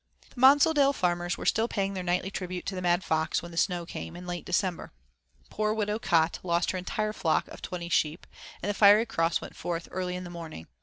III The Monsaldale farmers were still paying their nightly tribute to the Mad Fox, when the snow came, late in December. Poor Widow Cot lost her entire flock of twenty sheep, and the fiery cross went forth early in the morning.